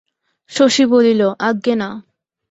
শশী বলিল, আজ্ঞে না।